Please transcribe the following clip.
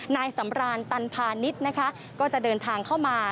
นายสำรานตันพาณิชย์นะคะก็จะเดินทางเข้ามา